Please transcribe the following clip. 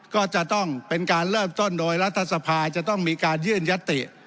ก็จะต้องเป็นการเริ่มต้นโดยรัฐสภาจะต้องมีการยื่นยติ